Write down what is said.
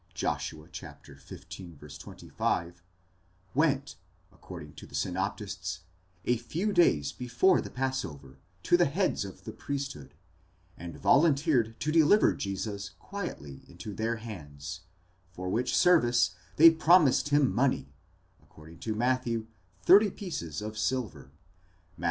(Josh. xv. 25), went, according to the synoptists, a few days before the passover, to the heads of the priesthood, and volunteered to deliver Jesus quietly into their hands, for which service they promised him money, according to Matthew, thirty pieces of silver (ἀργύρια, Matt.